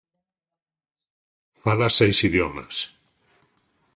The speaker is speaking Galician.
Fala seis idiomas.